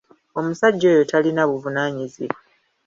Omusajja oyo talinabuvunaanyizibwa.